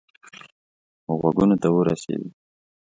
غوږونو ته ورسېدی.